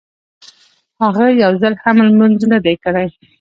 هغه يو ځل هم لمونځ نه دی کړی.